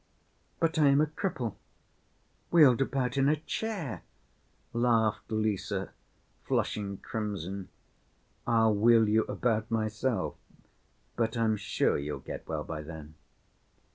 "But I am a cripple, wheeled about in a chair," laughed Lise, flushing crimson. "I'll wheel you about myself, but I'm sure you'll get well by then."